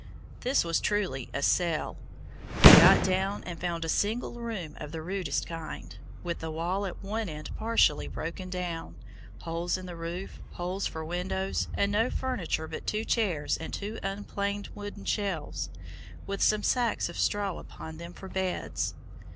This was truly "a sell." I got down and found a single room of the rudest kind, with the wall at one end partially broken down, holes in the roof, holes for windows, and no furniture but two chairs and two unplaned wooden shelves, with some sacks of straw upon them for beds.